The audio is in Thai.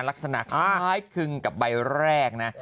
ลักษณะคล้ายคึงกับใบแรกนะ